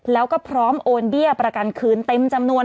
แล้วก็พร้อมโอนเบี้ยประกันคืนเต็มจำนวน